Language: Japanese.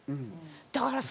だからさ